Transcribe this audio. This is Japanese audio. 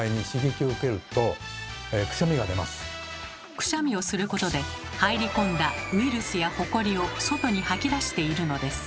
くしゃみをすることで入り込んだウイルスやホコリを外に吐き出しているのです。